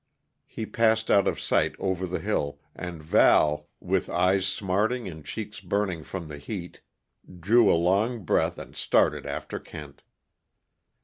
He passed out of sight over the hill, and Val, with eyes smarting and cheeks burning from the heat, drew a long breath and started after Kent.